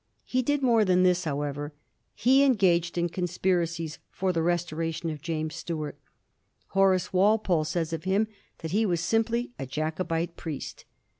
He did more than this, however : he engaged in conspiracies for the restoration of James Stuart. Horace Walpole says of him that he was simply a Jacobite priest.